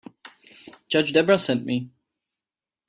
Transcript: Judge Debra sent me.